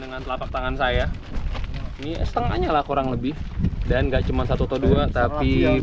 dengan telapak tangan saya ini setengahnya lah kurang lebih dan enggak cuma satu atau dua tapi